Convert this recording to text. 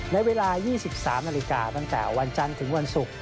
ในเวลา๒๓นาฬิกาตั้งแต่วันจันทร์ถึงวันศุกร์